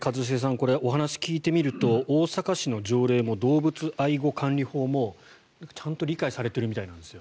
これ、お話を聞いてみると大阪市の条例も動物愛護管理法もちゃんと理解されているみたいなんですよ。